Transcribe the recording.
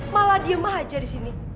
malah diem aja disini